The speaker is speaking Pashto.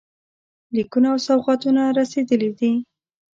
لیکونه او سوغاتونه رسېدلي دي.